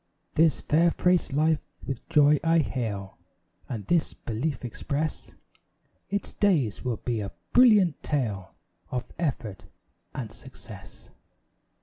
This fair fresh life with joy I hail, And this belief express, Its days will be a brilliant tale Of effort and success.